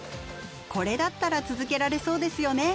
これだったら続けられそうですよね。